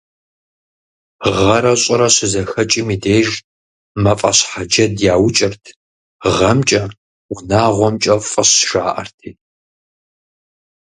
Гъэрэ щӀырэ щызэхэкӀым и деж «мафӀэщхьэджэд» яукӀырт, «гъэмкӀэ, унагъуэмкӀэ фӀыщ», жаӀэрти.